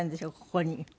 ここに。